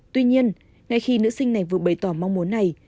tuy nhiên ngay khi nữ sinh này vừa bày tỏ mong muốn này